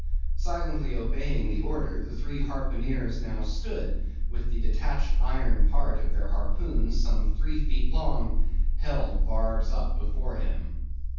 Silently obeying the order, the three harpooneers now stood with the detached iron part of their harpoons, some three feet long, held, barbs up, before him.